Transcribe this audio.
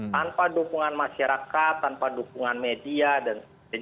tanpa dukungan masyarakat tanpa dukungan media dan sebagainya